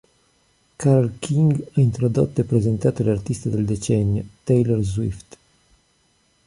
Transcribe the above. Carole King ha introdotto e presentato l'artista del decennio Taylor Swift.